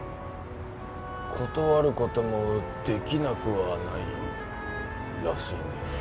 断ることもできなくはないらしいんです